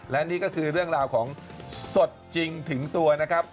และนี่ก็คือเรื่องราวของสดจริงถึงตัวนะครับ